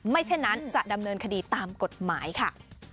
เช่นนั้นจะดำเนินคดีตามกฎหมายค่ะ